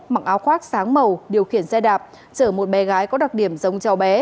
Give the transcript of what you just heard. mặc áo khoác sáng màu điều khiển xe đạp chở một bé gái có đặc điểm giống cháu bé